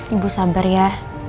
ibu sabar ya